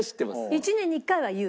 １年に１回は言う？